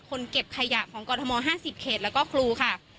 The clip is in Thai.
คนเก็บไข่หยะของกรธม๕๐เขตแล้วก็คลุค่ะ